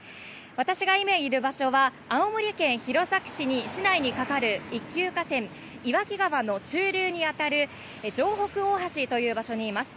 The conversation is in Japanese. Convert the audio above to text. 私が今いる場所は青森県弘前市の市内に架かる一級河川岩木川の中流に当たる城北大橋という場所にいます。